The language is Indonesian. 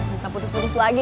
minta putus putus lagi